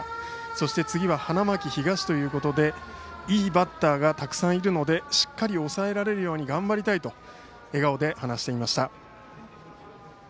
そして次は花巻東ということでいいバッターがたくさんいるのでしっかり抑えられるように頑張りたいと笑顔で話していました。